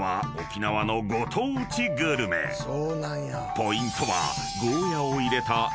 ［ポイントは］